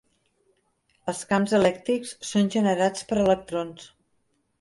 Els camps elèctrics són generats per electrons.